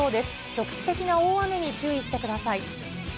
局地的な大雨に注意してください。